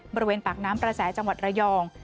บริเวณปากน้ำประแสจังหวัดระยอง